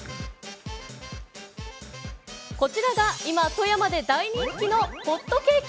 こちらが今、富山で大人気のホットケーキ。